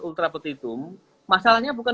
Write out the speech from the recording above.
ultra petitum masalahnya bukan